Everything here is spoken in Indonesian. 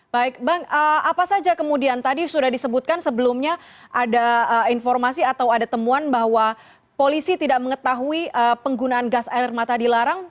baik bang apa saja kemudian tadi sudah disebutkan sebelumnya ada informasi atau ada temuan bahwa polisi tidak mengetahui penggunaan gas air mata dilarang